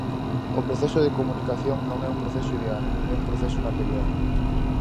O proceso de comunicación non é un proceso ideal, é un proceso material.